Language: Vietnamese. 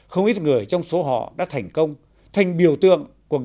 không ít người trong số họ đã thành công thành biểu tượng